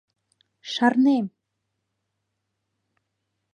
— Шарнем!